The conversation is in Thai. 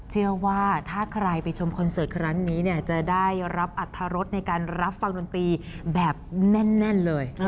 เชื่อว่าถ้าใครไปชมคอนเสิร์ตครั้งนี้เนี่ยจะได้รับอัตรรสในการรับฟังดนตรีแบบแน่นเลย